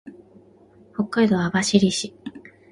北海道網走市